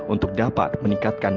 untuk dapat meningkatkan